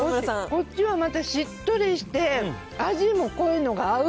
こっちはまたしっとりして、味も濃いのが合う。